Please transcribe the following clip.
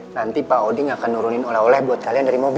nanti pak oding akan nurunin oleh oleh buat kalian dari mobil